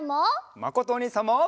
まことおにいさんも！